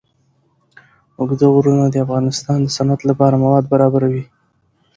اوږده غرونه د افغانستان د صنعت لپاره مواد برابروي.